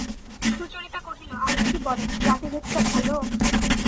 সুচরিতা কহিল, আপনি কি বলেন জাতিভেদটা ভালো?